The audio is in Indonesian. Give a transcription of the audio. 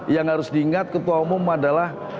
yang harus diingat ketua umum adalah